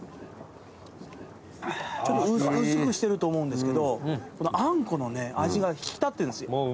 ちょっと薄くしてると思うんですけどこのアンコウの味が引き立ってるんですよ。